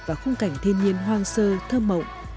và khung cảnh thiên nhiên hoang sơ thơ mộng